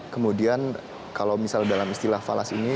kemudian kalau misalnya dalam istilah falas ini